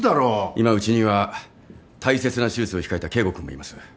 今うちには大切な手術を控えた圭吾君もいます。